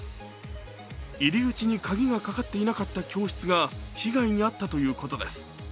入り口に鍵がかかっていなかった教室が被害に遭ったということです。